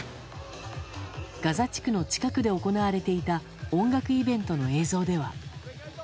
ガザ地区の近くで行われていた音楽イベントの映像では。